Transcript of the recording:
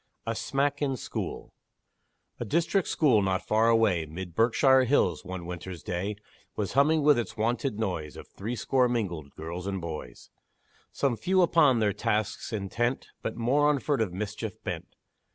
A SMACK IN SCHOOL A district school, not far away, 'Mid Berkshire's hills, one winter's day, Was humming with its wonted noise Of threescore mingled girls and boys; Some few upon their tasks intent, But more on furtive mischief bent.